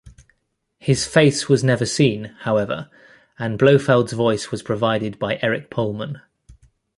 His face was never seen, however, and Blofeld's voice was provided by Eric Pohlmann.